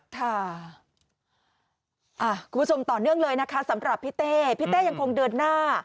คุณผู้ชมต่อเนื่องเลยนะคะสำหรับพี่เต้พี่เต้ยังคงเดินหน้า